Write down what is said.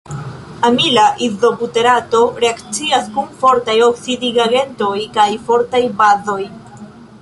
Amila izobuterato reakcias kun fortaj oksidigagentoj kaj fortaj bazoj.